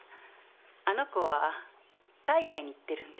あの子は海外に行ってるんです。